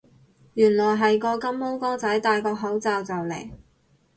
原來係個金毛哥仔戴個口罩就嚟